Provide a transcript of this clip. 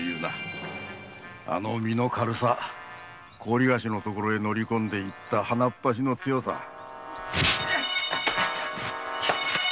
あの身の軽さ高利貸しのところへ乗り込んでいった鼻っ柱の強さ。